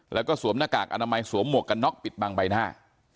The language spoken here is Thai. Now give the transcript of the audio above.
แล้วก็สวมหน้ากากอนามัยสวมหมวกกันน็อกปิดบังใบหน้า